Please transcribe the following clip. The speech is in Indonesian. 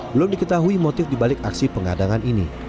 belum diketahui motif dibalik aksi pengadangan ini